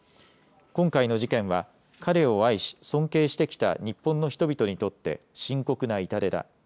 今回の事件は彼を愛し、尊敬してきた日本の人々にとって深刻な痛手だ。